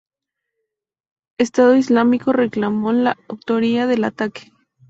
Estado Islámico reclamó la autoría del ataque.